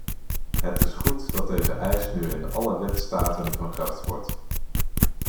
Het is goed dat deze eis nu in alle lidstaten van kracht wordt.